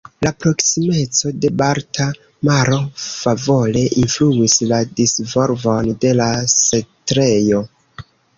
La proksimeco de la Balta Maro favore influis la disvolvon de la setlejo.